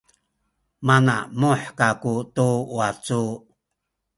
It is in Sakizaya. manamuh kaku tu wacu